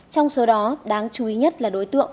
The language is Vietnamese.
trong số đó đáng chú ý nhất là đối tượng